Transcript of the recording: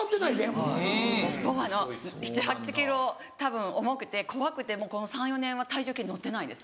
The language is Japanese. もうあの７８ｋｇたぶん重くて怖くてもうこの３４年は体重計乗ってないです。